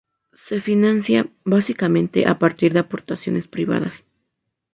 Se financia, básicamente, a partir de aportaciones privadas.